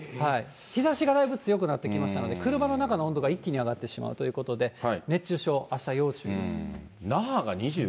日ざしがだいぶ強くなってきましたので、車の中の温度が一気に上がってしまうということで、熱中症、あした要注意です。